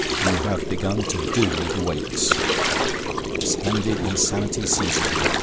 You have begun to 'do' the Wakes. The splendid insanity seizes you.